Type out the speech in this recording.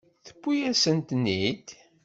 Tewwi-yasent-ten-id.